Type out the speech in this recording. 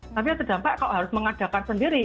tapi yang terdampak kalau harus mengadakan sendiri